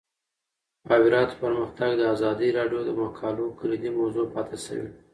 د مخابراتو پرمختګ د ازادي راډیو د مقالو کلیدي موضوع پاتې شوی.